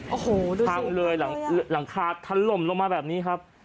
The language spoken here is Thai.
โอ้โหหลูกศูนย์เป็นยาขังเลยหลังคาทัลลมลงมาแบบนี้ครับ